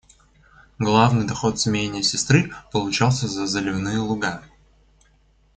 Главный доход с имения сестры получался за заливные луга.